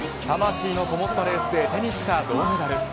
魂のこもったレースで手にした銅メダル。